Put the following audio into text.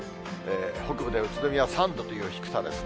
北部で宇都宮３度という低さですね。